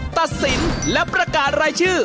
ตัดสินและประกาศรายชื่อ